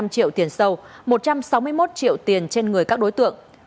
năm triệu tiền sâu một trăm sáu mươi một triệu tiền trên người các đối tượng